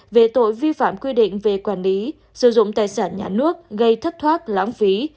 về tội vi phạm quy định về quản lý sử dụng tài sản nhà nước gây thất thoát lãng phí